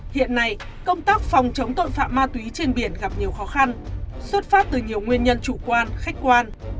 hiện nay công tác phòng chống tội phạm ma túy trên biển gặp nhiều khó khăn xuất phát từ nhiều nguyên nhân chủ quan khách quan